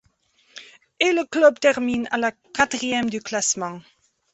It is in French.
Et, le club termine à la quatrième du classement.